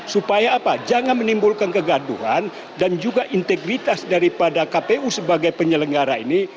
supaya apa jangan menimbulkan kegaduhan dan juga integritas daripada kpu sebagai penyelenggara ini